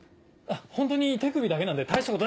ホントに手首だけなんで大したこと。